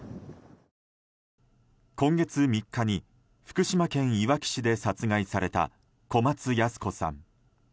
今月３日に福島県いわき市で殺害された小松ヤス子さん。